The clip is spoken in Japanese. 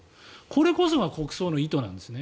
これこそが国葬の意図なんです。